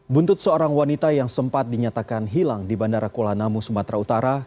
buntut seorang wanita yang sempat dinyatakan hilang di bandara kuala namu sumatera utara